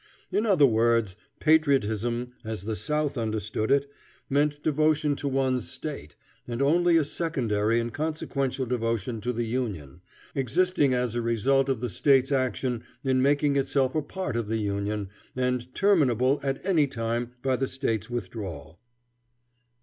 In other words, patriotism, as the South understood it, meant devotion to one's State, and only a secondary and consequential devotion to the Union, existing as a result of the State's action in making itself a part of the Union, and terminable at any time by the State's withdrawal.